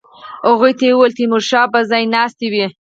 هغوی ته یې وویل تیمورشاه به ځای ناستی وي.